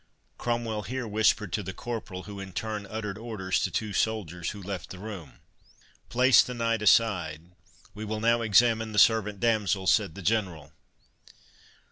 Cromwell here whispered to the corporal, who in turn uttered orders to two soldiers, who left the room. "Place the knight aside; we will now examine the servant damsel," said the General.